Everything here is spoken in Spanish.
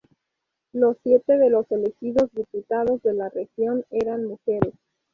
Los siete de los elegidos diputados de "la región" eran mujeres.